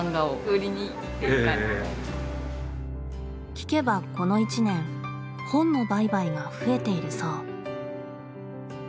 聞けばこの一年本の売買が増えているそう。